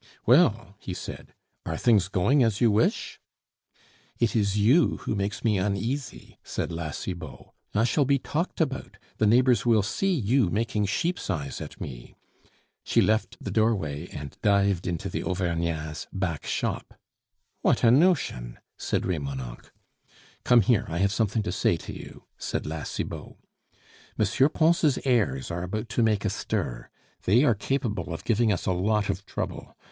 "Well," he said, "are things going as you wish?" "It is you who makes me uneasy," said La Cibot. "I shall be talked about; the neighbors will see you making sheep's eyes at me." She left the doorway and dived into the Auvergnat's back shop. "What a notion!" said Remonencq. "Come here, I have something to say to you," said La Cibot. "M. Pons' heirs are about to make a stir; they are capable of giving us a lot of trouble.